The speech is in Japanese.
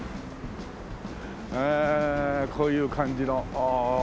ええこういう感じの。